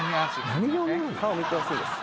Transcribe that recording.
はい。